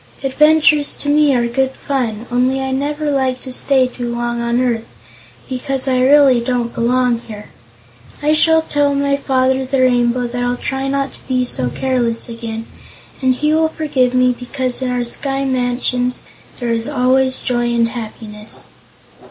Adventures to me are good fun, only I never like to stay too long on earth, because I really don't belong here. I shall tell my Father the Rainbow that I'll try not to be so careless again, and he will forgive me because in our sky mansions there is always joy and happiness."